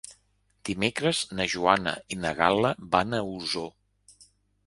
Dimecres na Joana i na Gal·la van a Osor.